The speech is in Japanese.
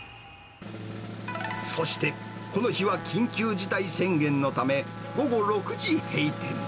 そしてこの日は緊急事態宣言のため、午後６時閉店。